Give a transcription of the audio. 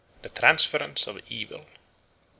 The Transference of Evil 1.